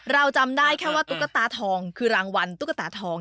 เราจำได้แค่ว่าตุ๊กตาทองคือรางวัลตุ๊กตาทอง